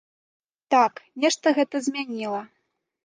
Так, нешта гэта змяніла.